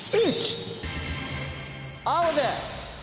青で！